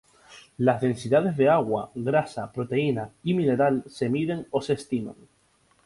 Las densidades de agua, grasa, proteína y mineral se miden o se estiman.